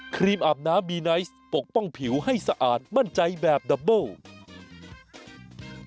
รีมอาบน้ำบีไนท์ปกป้องผิวให้สะอาดมั่นใจแบบดับเบิ้ล